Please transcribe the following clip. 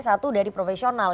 satu dari profesional